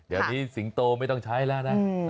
เดี๋ยวนี้สิงโตไม่ต้องใช้แล้วนะ